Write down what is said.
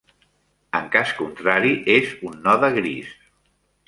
En cas contrari, és un node gris.